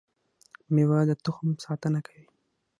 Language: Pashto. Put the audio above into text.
میوه د تخم ساتنه کوي